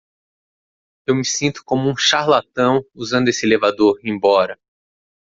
Eu me sinto como um charlatão usando esse elevador embora.